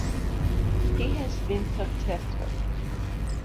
He has been successful.